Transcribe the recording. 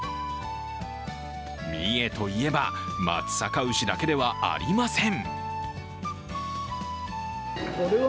三重といえば、松阪牛だけではありません。